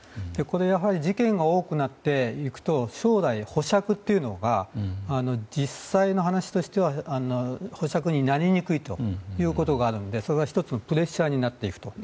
やはり事件が多くなっていくと将来、保釈というのが実際の話としては保釈になりにくいということがあるのでそれが１つのプレッシャーになっていくと。